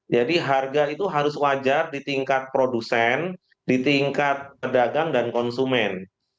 jadi harga itu harus wajar di tingkat produsen di tingkat dagang dan konsumen